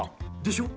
でしょ？